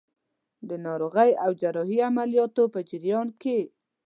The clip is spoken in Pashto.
د ناروغۍ او جراحي عملیاتو په جریان کې.